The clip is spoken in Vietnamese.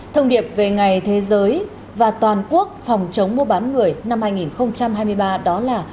thông điệp về ngày thế giới và toàn quốc phòng chống mua bán người năm hai nghìn hai mươi ba đó là